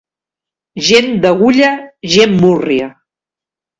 Gent d'agulla, gent múrria.